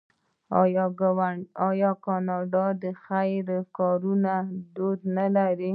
آیا کاناډا د خیریه کارونو دود نلري؟